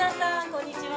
こんにちは。